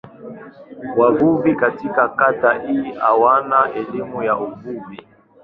Wavuvi katika kata hii hawana elimu ya uvuvi.